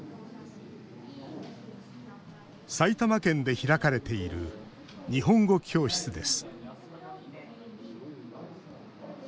埼玉県で開かれている日本語教室です